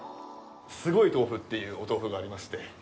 すごいとうふというお豆腐がありまして。